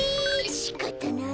しかたない。